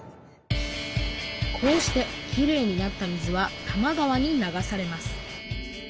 こうしてきれいになった水は多摩川に流されます